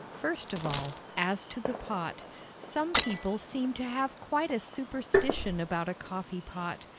First of all, as to the pot: Some people seem to have quite a superstition about a coffee pot.